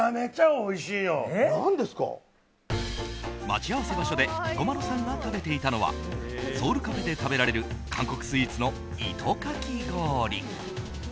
待ち合わせ場所で彦摩呂さんが食べていたのはソウルカフェで食べられる韓国スイーツの糸かき氷。